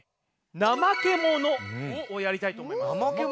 ナマケモノをやりたいとおもいます。